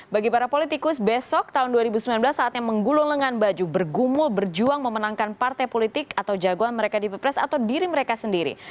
bagi para politikus besok tahun dua ribu sembilan belas saatnya menggulung lengan baju bergumul berjuang memenangkan partai politik atau jagoan mereka di pilpres atau diri mereka sendiri